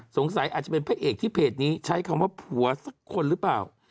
สงสัยอาจจะเป็นพระเอกที่เพจนี้ใช้คำว่าผัวสักคนหรือเปล่า